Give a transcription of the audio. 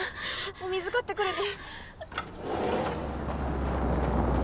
お水買ってくるね！